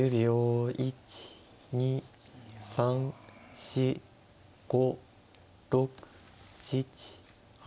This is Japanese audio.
１２３４５６７８。